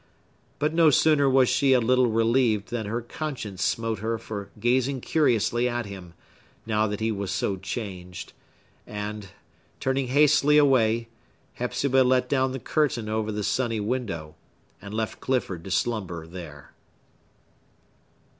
But no sooner was she a little relieved than her conscience smote her for gazing curiously at him, now that he was so changed; and, turning hastily away, Hepzibah let down the curtain over the sunny window, and left Clifford to slumber there.